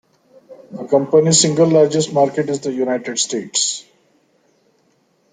The company's single largest market is the United States.